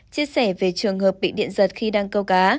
chia sẻ về trường hợp bị điện giật khi đang câu cá